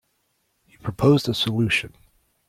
He proposed a solution.